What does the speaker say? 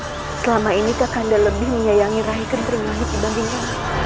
jadi selama ini kakanda lebih menyayangi raihkan terlebih dahulu dibandingnya